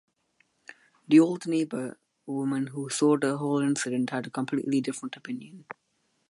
The old neighbour woman who saw the whole incident had a completely different opinion.